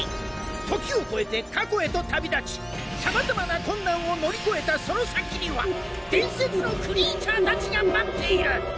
時を超えて過去へと旅立ちさまざまな困難を乗り越えたその先には伝説のクリーチャーたちが待っている。